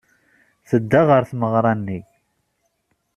Tedda ɣer tmeɣra-nni.